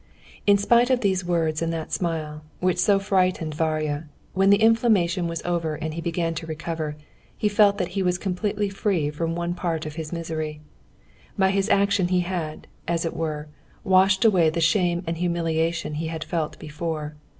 In spite of these words and this smile, which so frightened Varya, when the inflammation was over and he began to recover, he felt that he was completely free from one part of his misery. By his action he had, as it were, washed away the shame and humiliation he had felt before.